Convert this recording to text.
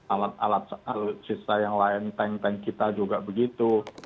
alat alat alutsista yang lain tank tank kita juga begitu